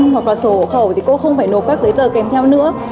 hoặc là sổ hộ khẩu thì cô không phải nộp các giấy tờ kèm theo nữa